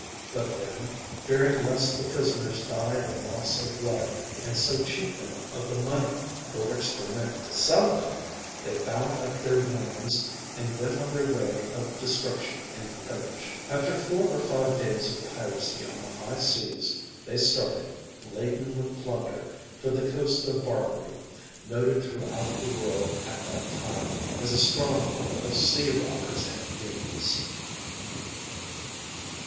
But then, fearing lest the prisoners die of loss of blood and so cheat them of the money for which they meant to sell them, they bound up their wounds and went on their way of destruction and pillage. After four or five days of piracy on the high seas, they started, laden with plunder, for the coast of Barbary, noted throughout the world at that time as a stronghold of sea robbers and thieves.